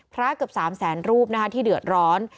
พระเกือบ๓๐๐๐๐๐รูปนะคะที่เดือดร้อน